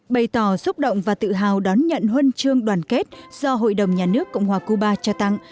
bày tỏ xúc động và tự hào đón nhận huân chương đoàn kết do hội đồng nhà nước cộng hòa cuba trao tặng